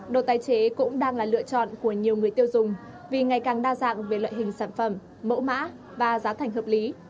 đồ tái chế cũng đang là lựa chọn của nhiều người tiêu dùng vì ngày càng đa dạng về loại hình sản phẩm mẫu mã và giá thành hợp lý